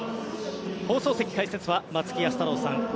放送席、解説は松木安太郎さん